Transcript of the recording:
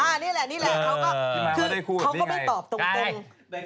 อ่านี่แหละเขาก็ไม่ตอบตรง